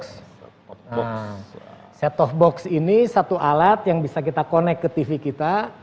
nah set top box ini satu alat yang bisa kita connect ke tv kita